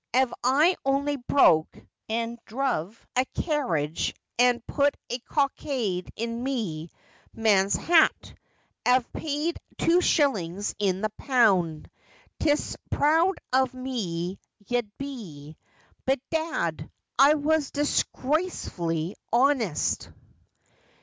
' Av I only broke, an' druv a carriage, an' put a cockade in me man's hat, an' paid two shillings in the pound, 'tis proud of me ye'd be. Bedad, I was disgracefully honest.'